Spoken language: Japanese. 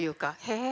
へえ！